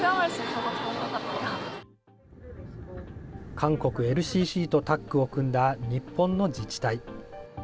韓国ＬＣＣとタッグを組んだ日本の自治体。